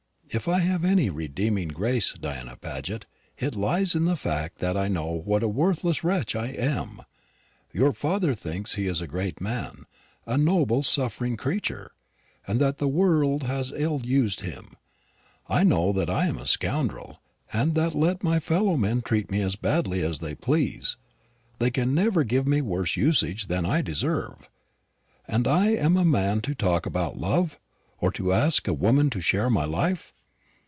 If I have any redeeming grace, Diana Paget, it lies in the fact that I know what a worthless wretch I am. Your father thinks he is a great man, a noble suffering creature, and that the world has ill used him. I know that I am a scoundrel, and that let my fellow men treat me as badly as they please, they can never give me worse usage than I deserve. And am I a man to talk about love, or to ask a woman to share my life?